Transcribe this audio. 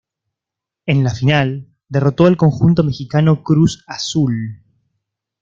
En la final, derrotó al conjunto mexicano Cruz Azul.